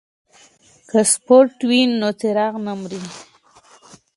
که سپیرټ وي نو څراغ نه مري.